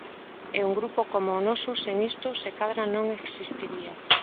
E un grupo coma o noso sen isto se cadra non existiría.